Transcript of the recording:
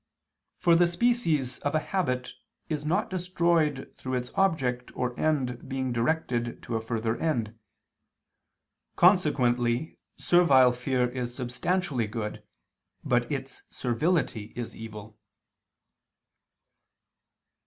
For the species of a habit is not destroyed through its object or end being directed to a further end. Consequently servile fear is substantially good, but is servility is evil.